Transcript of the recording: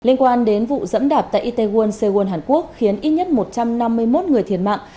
liên quan đến vụ dẫm đạp tại itaewon seowon hàn quốc khiến ít nhất một trăm năm mươi một người thiệt mạng